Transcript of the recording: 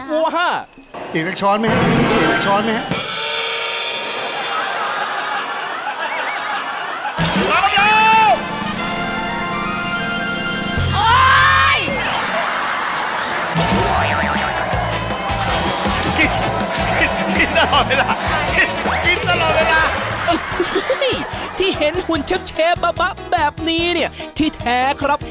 กินกินกินตลอดเวลากินกินตลอดเวลาที่เห็นหุ่นเช็บเช็บบับบับแบบนี้เนี่ยที่แท้ครับ